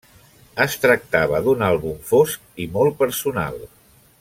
Es tractava d'un àlbum fosc i molt personal.